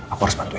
aku harus bantuin